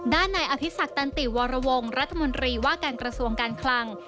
นายอภิษักตันติวรวงรัฐมนตรีว่าการกระทรวงการคลัง